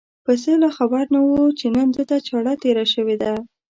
پسه لا خبر نه و چې نن ده ته چاړه تېره شوې ده.